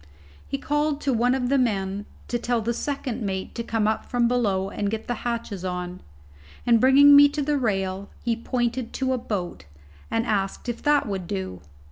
He called to one of the men to tell the second mate to come up from below and get the hatches on, and bringing me to the rail, he pointed to a boat, and asked if that would do?